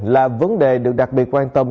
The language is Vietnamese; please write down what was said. là vấn đề được đặc biệt quan tâm